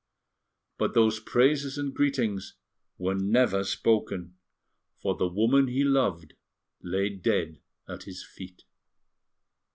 But those praises and greetings were never spoken, for the woman he loved lay dead at his feet.